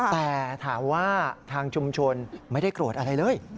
แต่ถามว่าทางชุมชนไม่ได้โกรธอะไรเลย